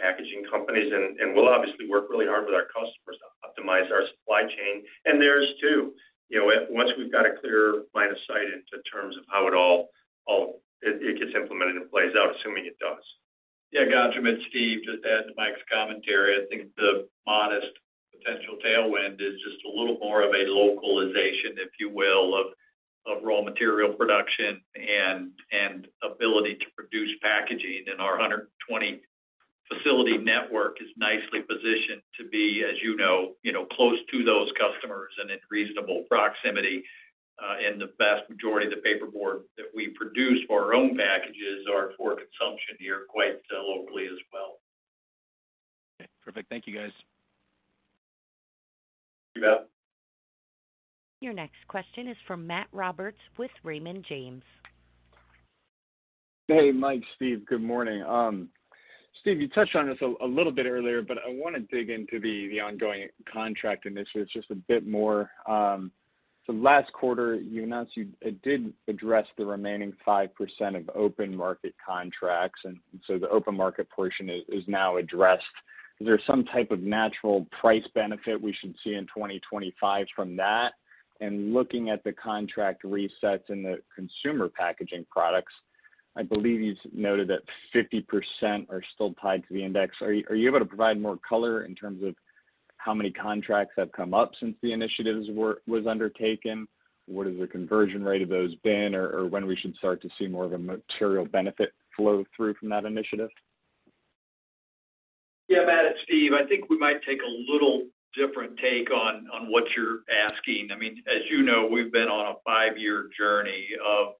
packaging companies. And we'll obviously work really hard with our customers to optimize our supply chain. And there's two. Once we've got a clear line of sight into terms of how it all gets implemented and plays out, assuming it does. Yeah. Gotcha. It's Steve, just add to Mike's commentary. I think the modest potential tailwind is just a little more of a localization, if you will, of raw material production and ability to produce packaging. And our 120 facility network is nicely positioned to be, as you know, close to those customers and in reasonable proximity. And the vast majority of the paperboard that we produce for our own packages are for consumption here quite locally as well. Okay. Perfect. Thank you, guys. You bet. Your next question is from Matt Roberts with Raymond James. Hey, Mike, Steve, good morning. Steve, you touched on this a little bit earlier, but I want to dig into the ongoing contract initiatives just a bit more. So last quarter, we did address the remaining 5% of open market contracts. And so the open market portion is now addressed. Is there some type of natural price benefit we should see in 2025 from that? And looking at the contract resets in the consumer packaging products, I believe you noted that 50% are still tied to the index. Are you able to provide more color in terms of how many contracts have come up since the initiative was undertaken? What has the conversion rate of those been, or when we should start to see more of a material benefit flow through from that initiative? Yeah, Matt and Steve, I think we might take a little different take on what you're asking. I mean, as you know, we've been on a five-year journey of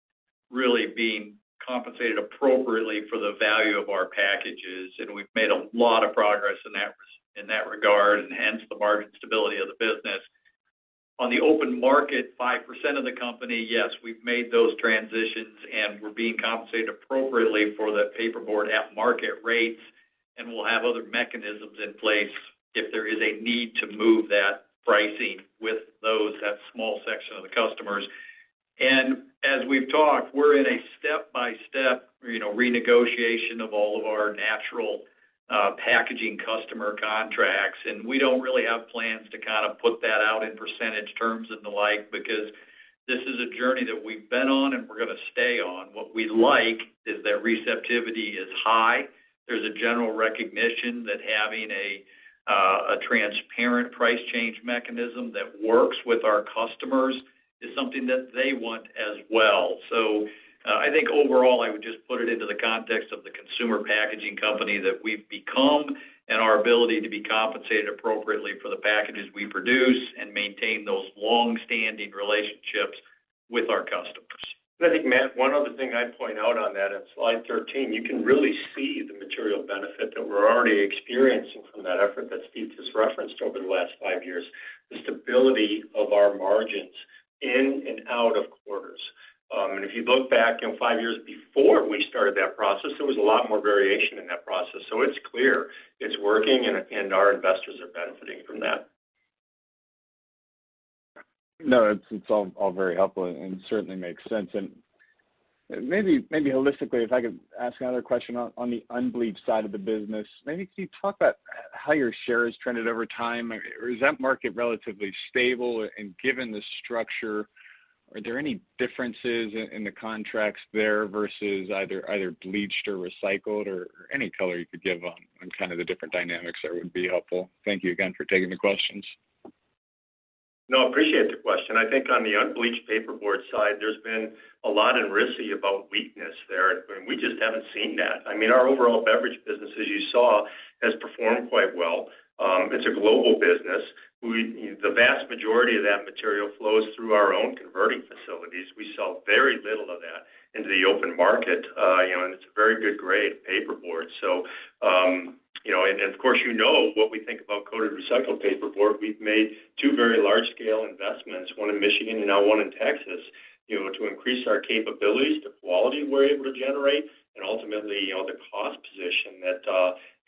really being compensated appropriately for the value of our packages. And we've made a lot of progress in that regard, and hence the margin stability of the business. On the open market, 5% of the company, yes, we've made those transitions, and we're being compensated appropriately for the paperboard at market rates. And we'll have other mechanisms in place if there is a need to move that pricing with that small section of the customers. And as we've talked, we're in a step-by-step renegotiation of all of our natural packaging customer contracts. and we don't really have plans to kind of put that out in percentage terms and the like because this is a journey that we've been on and we're going to stay on. What we like is that receptivity is high. There's a general recognition that having a transparent price change mechanism that works with our customers is something that they want as well. so I think overall, I would just put it into the context of the consumer packaging company that we've become and our ability to be compensated appropriately for the packages we produce and maintain those long-standing relationships with our customers. I think, Matt, one other thing I'd point out on that, on Slide 13, you can really see the material benefit that we're already experiencing from that effort that Steve just referenced over the last five years, the stability of our margins in and out of quarters. If you look back five years before we started that process, there was a lot more variation in that process. So it's clear it's working, and our investors are benefiting from that. No, it's all very helpful and certainly makes sense. Maybe holistically, if I could ask another question on the unbleached side of the business, maybe can you talk about how your share has trended over time? Is that market relatively stable? Given the structure, are there any differences in the contracts there versus either bleached or recycled or any color you could give on kind of the different dynamics that would be helpful? Thank you again for taking the questions. No, I appreciate the question. I think on the unbleached paperboard side, there's been a lot of chatter about weakness there. And we just haven't seen that. I mean, our overall beverage business, as you saw, has performed quite well. It's a global business. The vast majority of that material flows through our own converting facilities. We sell very little of that into the open market, and it's a very good grade paperboard. So and of course, you know what we think about coated recycled paperboard. We've made two very large-scale investments, one in Michigan and now one in Texas, to increase our capabilities, the quality we're able to generate, and ultimately the cost position that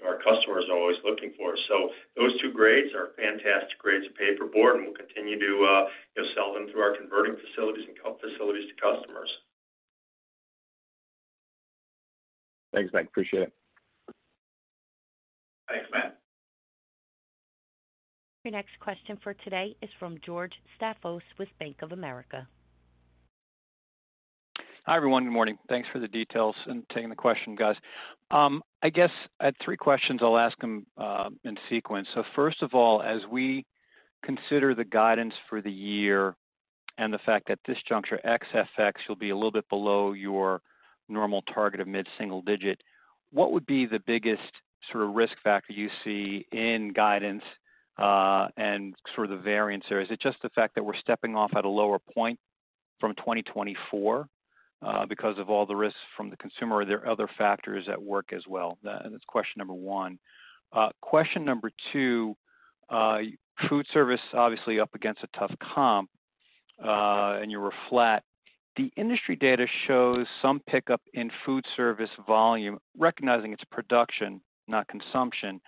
our customers are always looking for, so those two grades are fantastic grades of paperboard, and we'll continue to sell them through our converting facilities and mill facilities to customers. Thanks, Mike. Appreciate it. Thanks, Matt. Your next question for today is from George Staphos with Bank of America. Hi, everyone. Good morning. Thanks for the details and taking the question, guys. I guess I have three questions I'll ask them in sequence. So first of all, as we consider the guidance for the year and the fact that at this juncture, FX, will be a little bit below your normal target of mid-single digit, what would be the biggest sort of risk factor you see in guidance and sort of the variance there? Is it just the fact that we're stepping off at a lower point from 2024 because of all the risks from the consumer or there are other factors at work as well? That's question number one. Question number two, food service obviously up against a tough comp, and you were flat. The industry data shows some pickup in food service volume, recognizing it's production, not consumption.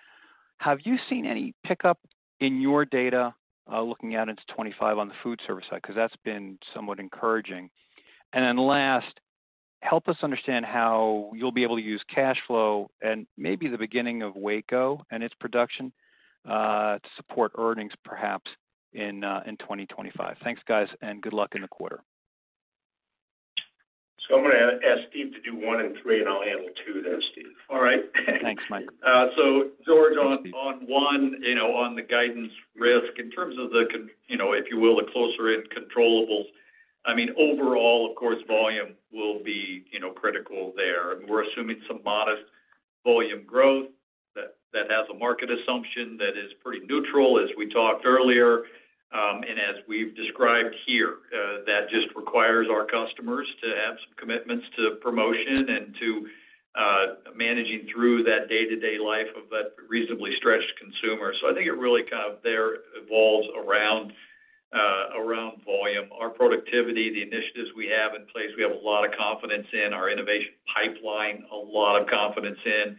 Have you seen any pickup in your data looking out into 2025 on the food service side? Because that's been somewhat encouraging. And then last, help us understand how you'll be able to use cash flow and maybe the beginning of Waco and its production to support earnings perhaps in 2025. Thanks, guys, and good luck in the quarter. So I'm going to ask Steve to do one and three, and I'll handle two then, Steve. All right. Thanks, Mike. So George, on one, on the guidance risk, in terms of the, if you will, the closer in controllables, I mean, overall, of course, volume will be critical there. We're assuming some modest volume growth that has a market assumption that is pretty neutral, as we talked earlier. And as we've described here, that just requires our customers to have some commitments to promotion and to managing through that day-to-day life of a reasonably stretched consumer. So I think it really kind of revolves around volume, our productivity, the initiatives we have in place. We have a lot of confidence in our innovation pipeline, a lot of confidence in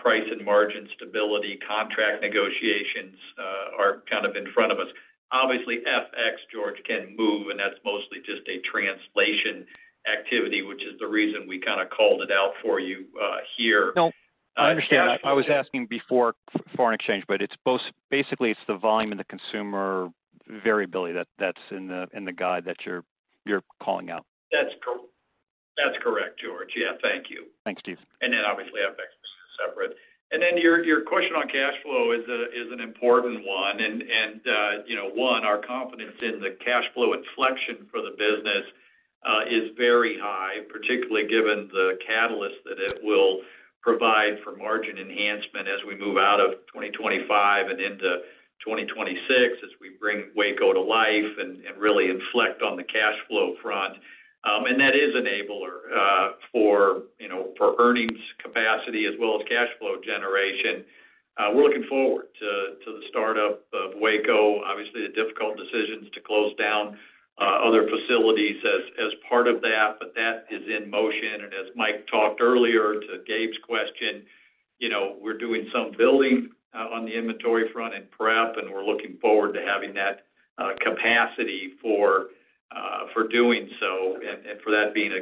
price and margin stability. Contract negotiations are kind of in front of us. Obviously, FX, George, can move, and that's mostly just a translation activity, which is the reason we kind of called it out for you here. No, I understand. I was asking before foreign exchange, but basically, it's the volume and the consumer variability that's in the guide that you're calling out. That's correct, George. Yeah. Thank you. Thanks, Steve. And then obviously, FX is separate. And then your question on cash flow is an important one. And one, our confidence in the cash flow inflection for the business is very high, particularly given the catalyst that it will provide for margin enhancement as we move out of 2025 and into 2026 as we bring Waco to life and really inflect on the cash flow front. And that is an enabler for earnings capacity as well as cash flow generation. We're looking forward to the startup of Waco. Obviously, the difficult decisions to close down other facilities as part of that, but that is in motion. And as Mike talked earlier to Gabe's question, we're doing some building on the inventory front and prep, and we're looking forward to having that capacity for doing so and for that being a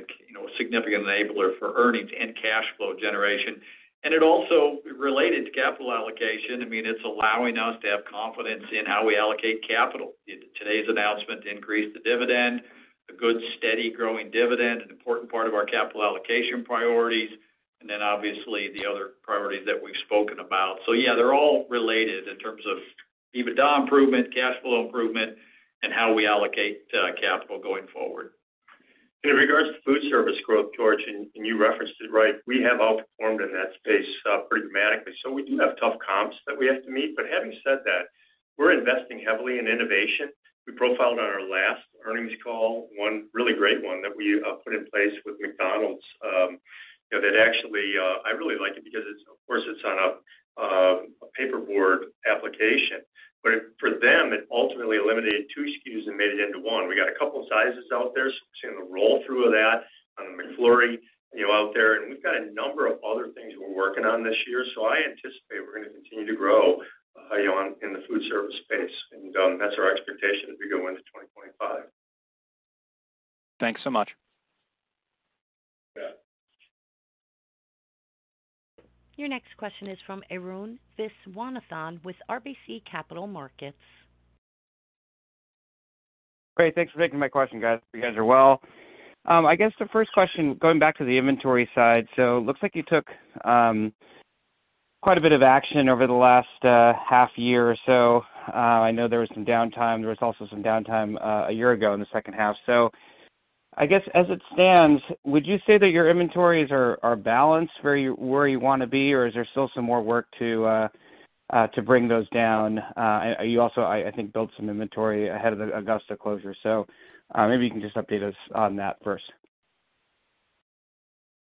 significant enabler for earnings and cash flow generation. And it also related to capital allocation. I mean, it's allowing us to have confidence in how we allocate capital. Today's announcement to increase the dividend, a good steady growing dividend, an important part of our capital allocation priorities, and then obviously the other priorities that we've spoken abo`ut. So yeah, they're all related in terms of EBITDA improvement, cash flow improvement, and how we allocate capital going forward. In regards to food service growth, George, and you referenced it, right? We have outperformed in that space pretty dramatically. So we do have tough comps that we have to meet. But having said that, we're investing heavily in innovation. We profiled on our last earnings call, one really great one that we put in place with McDonald's that actually I really like it because, of course, it's on a paperboard application. But for them, it ultimately eliminated two SKUs and made it into one. We got a couple of sizes out there. So we're seeing the roll-through of that on the McFlurry out there. And we've got a number of other things we're working on this year. So I anticipate we're going to continue to grow in the food service space. And that's our expectation as we go into 2025. Thanks so much. Your next question is from Arun Viswanathan with RBC Capital Markets. Great. Thanks for taking my question, guys. You guys are well. I guess the first question, going back to the inventory side, so it looks like you took quite a bit of action over the last half year or so. I know there was some downtime. There was also some downtime a year ago in the second half. So I guess as it stands, would you say that your inventories are balanced where you want to be, or is there still some more work to bring those down? And you also, I think, built some inventory ahead of the Augusta closure. So maybe you can just update us on that first.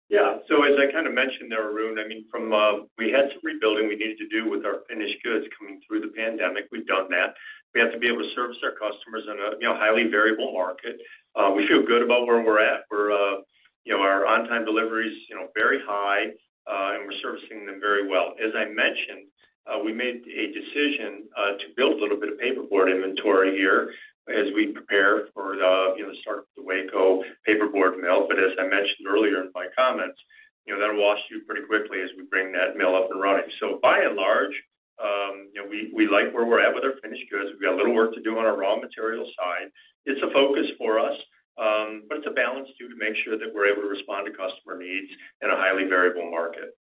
Yeah. So as I kind of mentioned there, Arun, I mean, we had some rebuilding we needed to do with our finished goods coming through the pandemic. We've done that. We have to be able to service our customers in a highly variable market. We feel good about where we're at. Our on-time delivery is very high, and we're servicing them very well. As I mentioned, we made a decision to build a little bit of paperboard inventory here as we prepare for the start of the Waco paperboard mill. But as I mentioned earlier in my comments, that'll wash out pretty quickly as we bring that mill up and running. So by and large, we like where we're at with our finished goods. We've got a little work to do on our raw material side. It's a balancing act to make sure that we're able to respond to customer needs in a highly variable market.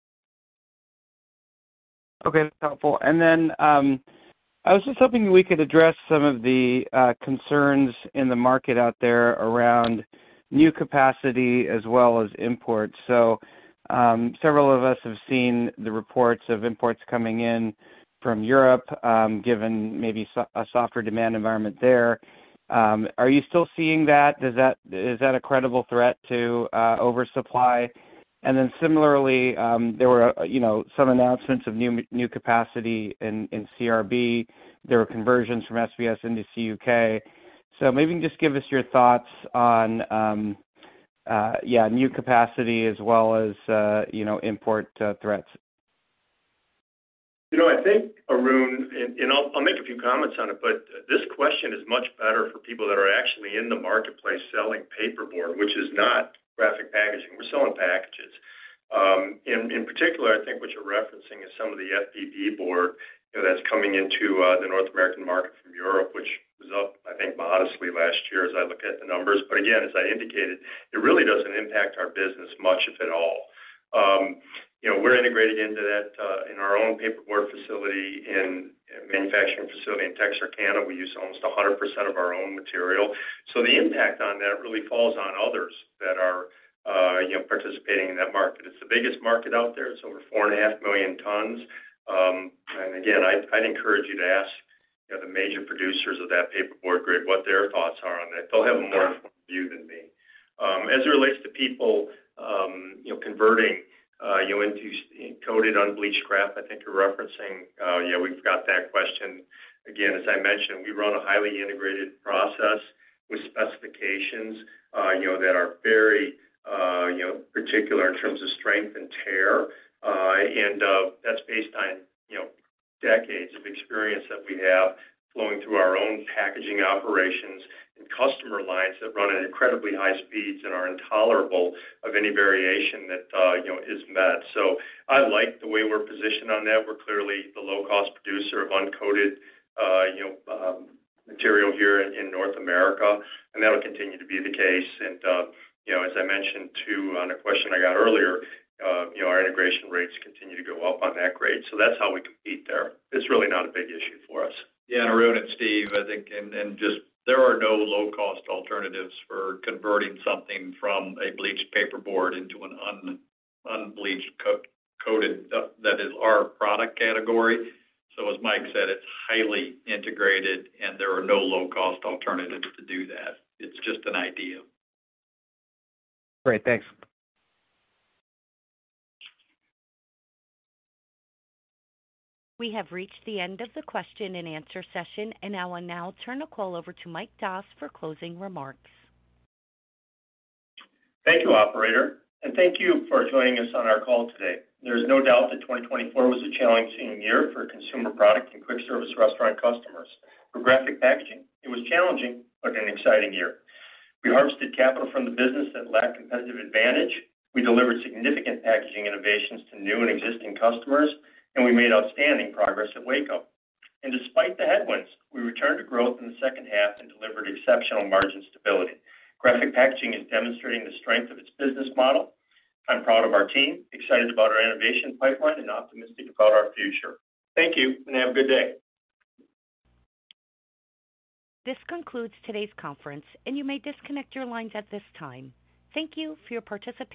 Okay. That's helpful. And then I was just hoping we could address some of the concerns in the market out there around new capacity as well as imports. So several of us have seen the reports of imports coming in from Europe, given maybe a softer demand environment there. Are you still seeing that? Is that a credible threat to oversupply? And then similarly, there were some announcements of new capacity in CRB. There were conversions from SBS into CUK. So maybe you can just give us your thoughts on, yeah, new capacity as well as import threats. I think, Arun, and I'll make a few comments on it, but this question is much better for people that are actually in the marketplace selling paperboard, which is not Graphic Packaging. We're selling packages. In particular, I think what you're referencing is some of the FBB board that's coming into the North American market from Europe, which was up, I think, modestly last year as I look at the numbers. But again, as I indicated, it really doesn't impact our business much, if at all. We're integrating into that in our own paperboard facility and manufacturing facility in Texarkana. We use almost 100% of our own material. So the impact on that really falls on others that are participating in that market. It's the biggest market out there. It's over 4.5 million tons. And again, I'd encourage you to ask the major producers of that paperboard grade what their thoughts are on that. They'll have a more informed view than me. As it relates to people converting into coated unbleached kraft, I think you're referencing, yeah, we've got that question. Again, as I mentioned, we run a highly integrated process with specifications that are very particular in terms of strength and tear. And that's based on decades of experience that we have flowing through our own packaging operations and customer lines that run at incredibly high speeds and are intolerant of any variation that isn't met. So I like the way we're positioned on that. We're clearly the low-cost producer of uncoated material here in North America, and that'll continue to be the case. And as I mentioned, too, on a question I got earlier, our integration rates continue to go up on that grade. So that's how we compete there. It's really not a big issue for us. Yeah. And Arun and Steve, I think, and just there are no low-cost alternatives for converting something from a bleached paperboard into an unbleached coated that is our product category. So as Mike said, it's highly integrated, and there are no low-cost alternatives to do that. It's just an idea. Great. Thanks. We have reached the end of the question and answer session, and I will now turn the call over to Mike Doss for closing remarks. Thank you, Operator. And thank you for joining us on our call today. There's no doubt that 2024 was a challenging year for consumer product and quick-service restaurant customers. For Graphic Packaging, it was challenging but an exciting year. We harvested capital from the business that lacked competitive advantage. We delivered significant packaging innovations to new and existing customers, and we made outstanding progress at Waco. And despite the headwinds, we returned to growth in the second half and delivered exceptional margin stability. Graphic Packaging is demonstrating the strength of its business model. I'm proud of our team, excited about our innovation pipeline, and optimistic about our future. Thank you, and have a good day. This concludes today's conference, and you may disconnect your lines at this time. Thank you for your participation.